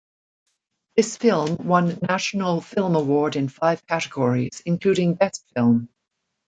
This film won National Film Award in five categories including Best Film.